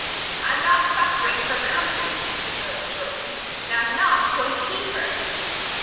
"I'm not suffering for company," said Marilla shortly. "And I'm not going to keep her."